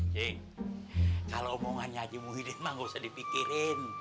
cing kalau omongannya haji muhyiddin mah gak usah dipikirin